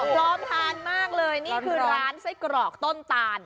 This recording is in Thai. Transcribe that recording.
พร้อมทานมากเลยนี่คือร้านไส้กรอกต้นตาล